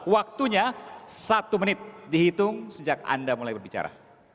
waktunya satu menit dihitung sejak anda mulai berbicara